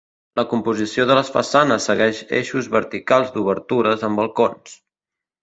La composició de les façanes segueix eixos verticals d'obertures amb balcons.